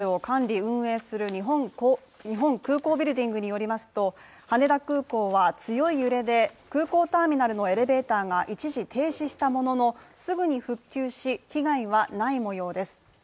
羽田空港を運営・管理している日本空港ビルディングによりますと羽田空港は強い揺れで空港ターミナルのエレベーターが一時停止したもののすぐに復旧し、被害はないもようです。